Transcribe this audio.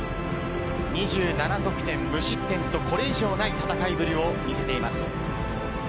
２７得点無失点と、これ以上ない戦いぶりを見せています。